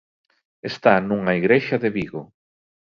Está nunha igrexa de Vigo.